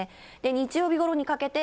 日曜日ごろにかけて、